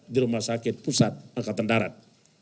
di rumah sakit pusat angkatan darat